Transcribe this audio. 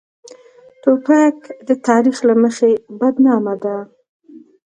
توپک د تاریخ له مخې بدنامه ده.